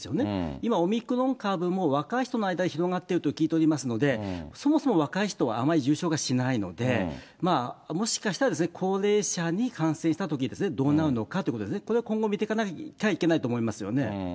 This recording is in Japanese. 今、オミクロン株も若い人の間で広がっていると聞いておりますので、そもそも若い人はあまり重症化しないので、もしかしたら、高齢者に感染したときどうなるのかってことですね、これは今後、見ていかなきゃいけないと思いますよね。